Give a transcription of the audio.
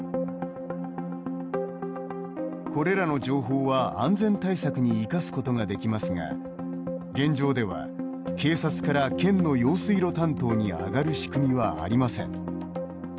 これらの情報は、安全対策に生かすことができますが現状では、警察から県の用水路担当にあがる仕組みはありません。